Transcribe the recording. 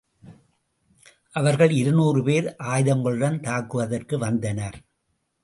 அவர்கள் இருநூறு பேர் ஆயுதங்களுடன் தாக்குவதற்கு வந்தனர்.